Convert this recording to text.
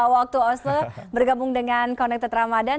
waktu oslo bergabung dengan connected ramadan